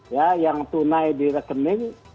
ya yang tunai di rekening